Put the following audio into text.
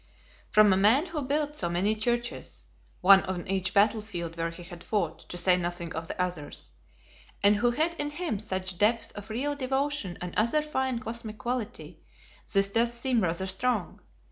I From a man who built so many churches (one on each battlefield where he had fought, to say nothing of the others), and who had in him such depths of real devotion and other fine cosmic quality, this does seem rather strong!